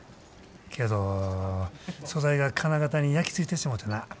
けど素材が金型に焼き付いてしもてな。